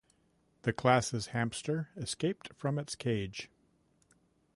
The class' hampster escaped from its cage.